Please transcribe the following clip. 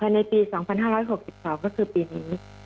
ในปี๒๕๖๒ก็คือปีนี้